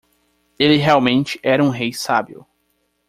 Ele realmente era um rei sábio.